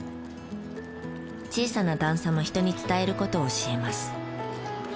小さな段差も人に伝える事を教えます。